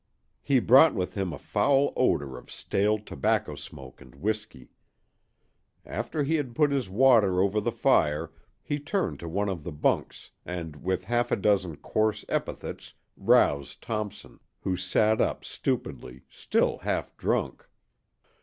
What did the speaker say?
He brought with him a foul odor of stale tobacco smoke and whisky. After he had put his water over the fire he turned to one of the bunks and with half a dozen coarse epithets roused Thompson, who sat up stupidly, still half drunk.